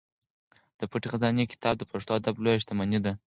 د پټې خزانې کتاب د پښتو ادب لویه شتمني ده.